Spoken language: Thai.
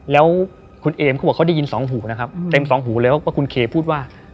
แล้วคุณเอมเขาบอกเขาได้ยินสองหูนะครับเต็มสองหูเลยว่าคุณเคพูดว่า